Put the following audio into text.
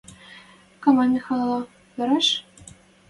– Камай Михӓлӓ вӓреш?